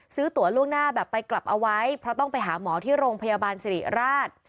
ซื้อตัวล่วงหน้าแบบไปกลับเอาไว้เพราะต้องไปหาหมอที่โรงพยาบาลสิริราช